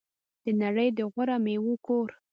د نړۍ د غوره میوو کور.